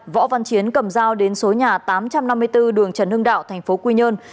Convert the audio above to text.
võ văn chiến cầm dao đến số nhà tám trăm năm mươi bốn đường trần hưng đạo thành phố quy nhơn